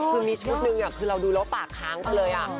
คือมีชุดหนึ่งอ่ะคือเราดูแล้วปากค้างทำเลยอ่า